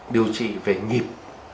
điều trị về nhịp